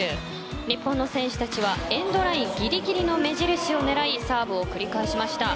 日本の選手たちはエンドラインぎりぎりの目印を狙いサーブを繰り返しました。